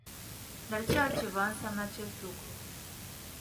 Dar ce altceva înseamnă acest lucru?